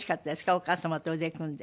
お母様と腕組んで。